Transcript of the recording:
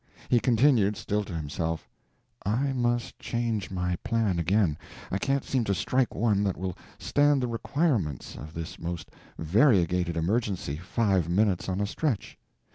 He continued, still to himself, "I must change my plan again; I can't seem to strike one that will stand the requirements of this most variegated emergency five minutes on a stretch.